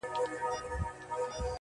ستا دي غاړه وي په ټوله قام کي لکه-